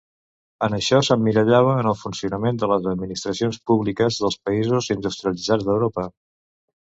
En això s'emmirallava en el funcionament de les administracions públiques dels països industrialitzats d'Europa.